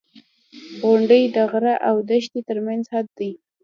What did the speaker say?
• غونډۍ د غره او دښتې ترمنځ حد دی.